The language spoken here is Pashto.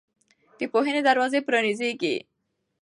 د پوهې دروازې پرانيزئ.